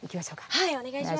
はいお願いします。